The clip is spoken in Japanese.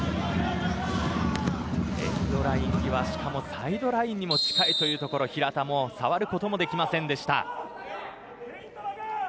エンドライン際しかもサイドラインにも近いというところ平田も触ることもできませんでした。